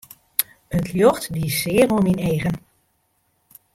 It ljocht die sear oan myn eagen.